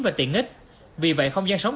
và tiện ích vì vậy không gian sống